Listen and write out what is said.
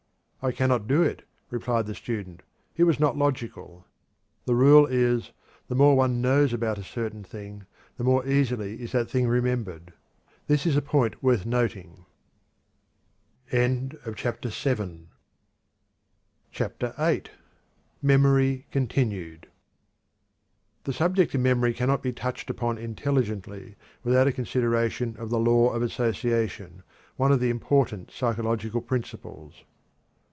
"I cannot do it," replied the student; "it was not logical." The rule is: The more one knows about a certain thing, the more easily is that thing remembered. This is a point worth noting. CHAPTER VIII. Memory Continued. The subject of memory cannot be touched upon intelligently without a consideration of the Law of Association, one of the important psychological principles.